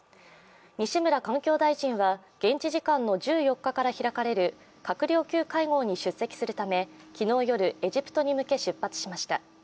西村環境大臣は、現地時間の１４日から開かれる閣僚級会合に出席するため、昨日夜、エジプトに向け出発しました。